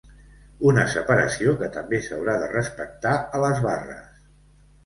Una separació que també s’haurà de respectar a les barres.